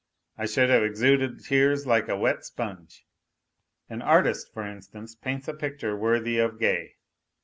I should have exuded tears like a wet sponge. An artist, for instance, paints a picture worthy of Gay.